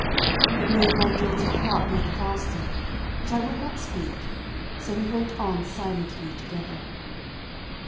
"It made my guilty heart beat faster, but I would not speak; so we went on silently together.